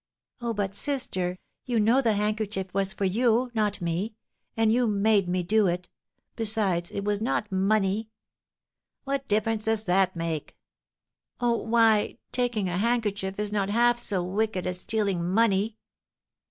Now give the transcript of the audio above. "Oh, but, sister, you know the handkerchief was for you, not me; and you made me do it. Besides, it was not money." "What difference does that make?" "Oh, why, taking a handkerchief is not half so wicked as stealing money!"